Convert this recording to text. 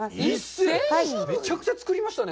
めちゃくちゃ作りましたね。